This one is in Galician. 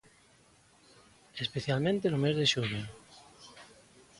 Especialmente no mes de xullo.